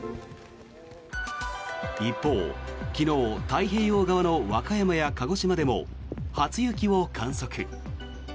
一方、昨日太平洋側の和歌山や鹿児島でも初雪を観測。